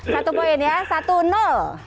satu poin ya satu